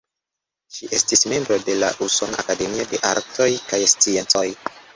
Ŝi estis membro de la Usona Akademio de Artoj kaj Sciencoj.